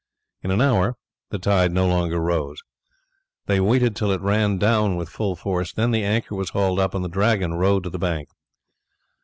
In an hour the tide no longer rose. They waited till it ran down with full force, then the anchor was hauled up, and the Dragon rowed to the bank.